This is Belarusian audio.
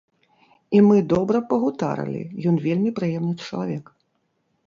І мы добра пагутарылі, ён вельмі прыемны чалавек.